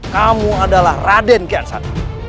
kamu adalah raden keansan